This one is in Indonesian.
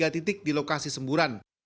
empat puluh tiga titik di lokasi semburan